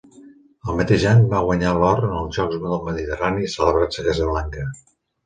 El mateix any va guanyar l'or en els Jocs del Mediterrani celebrats a Casablanca.